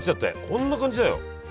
こんな感じだよ。